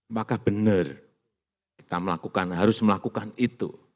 maka benar kita melakukan harus melakukan itu